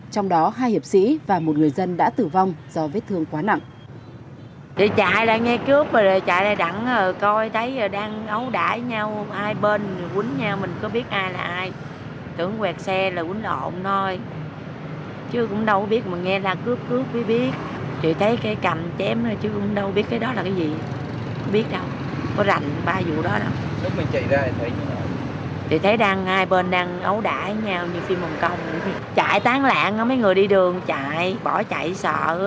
trong đó hai hiệp sĩ và một người dân đã tử vong do vết thương quá nặng